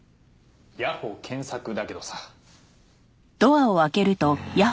谷保健作だけどさ。